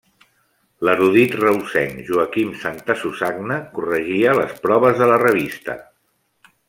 L'erudit reusenc Joaquim Santasusagna corregia les proves de la revista.